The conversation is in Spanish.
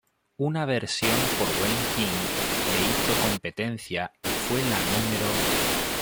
Una versión por Wayne King le hizo competencia y fue la No.